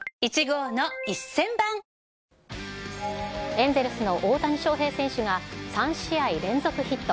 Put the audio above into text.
エンゼルスの大谷翔平選手が、３試合連続ヒット。